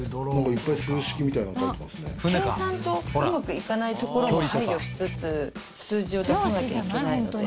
計算とうまくいかないところも配慮しつつ数字を出さなきゃいけないので。